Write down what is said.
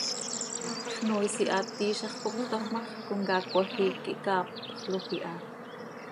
Xnoois ihaat iizax cop cötafp ma x, comcaac cmajiic quih caapxloj iha.